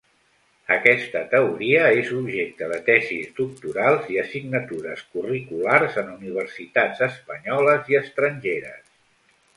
Aquesta teoria és objecte de tesis doctorals i assignatures curriculars en universitats espanyoles i estrangeres.